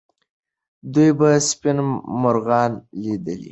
دوی به سپین مرغان لیدل.